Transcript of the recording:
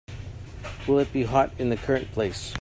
Will it be hot in the current place?